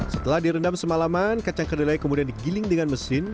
setelah direndam semalaman kacang kedelai kemudian digiling dengan mesin